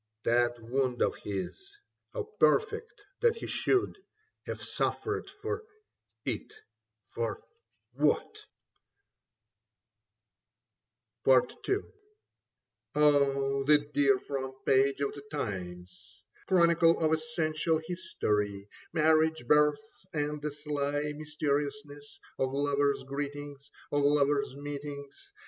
That wound of his. How perfect that he should Have suffered it for — ^what ? Soles Occidere et Redire Possunt 6i II OH, the dear front page of the Times ! Chronicle of essential history : Marriage, birth, and the sly mysteriousness Of lovers' greetings, of lovers' meetings.